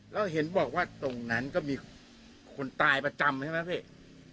แล้วเห็นบอกว่าตรงนั้นก็มีคนตายประจำใช่ไหมพี่